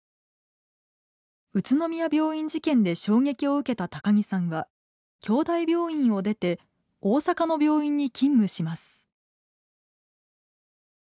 宇都宮病院事件で衝撃を受けた高木さんは京大病院を出て大阪の病院に勤務します。